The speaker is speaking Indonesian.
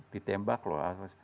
ditembak loh awas